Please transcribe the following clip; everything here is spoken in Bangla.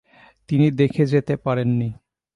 তিনি দেখে যেতে পারেননি।